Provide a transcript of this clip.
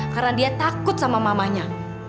karena dia takut sama mamanya